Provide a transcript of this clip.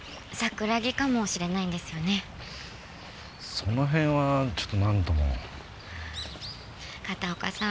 その辺はちょっとなんとも。片岡さん